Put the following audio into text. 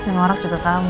nabrak juga pak